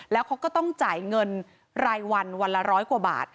แล้วเขาก็ต้องจ่ายเงินรายวันวันละร้อยกว่าบาท